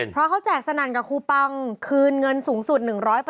เพราะเขาแจกสนั่นกับคูปังคืนเงินสูงสุด๑๐๐